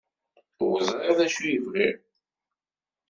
Ur ẓriɣ d acu i bɣiɣ.